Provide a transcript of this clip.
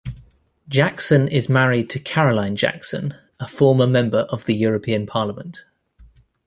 Jackson is married to Caroline Jackson, a former Member of the European Parliament.